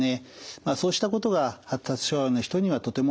そうしたことが発達障害の人にはとてもありがたいと思います。